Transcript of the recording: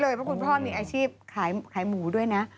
เพราะคุณพ่อมีอาชีพขายหมูด้วยนะ